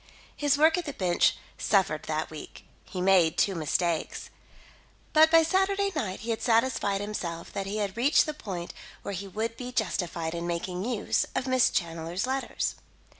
His work at the bench suffered that week; he made two mistakes. But by Saturday night he had satisfied himself that he had reached the point where he would be justified in making use of Miss Challoner's letters.